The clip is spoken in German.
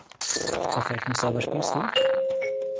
Auf welchem Server spielst du?